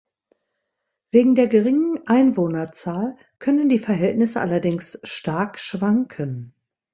Wegen der geringen Einwohnerzahl können die Verhältnisse allerdings stark schwanken.